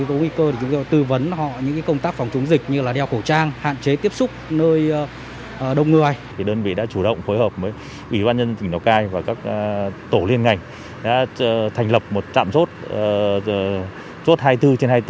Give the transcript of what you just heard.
ủy ban nhân tỉnh lào cai và các tổ liên ngành đã thành lập một trạm chốt hai mươi bốn trên hai mươi bốn